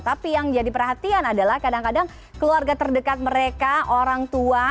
tapi yang jadi perhatian adalah kadang kadang keluarga terdekat mereka orang tua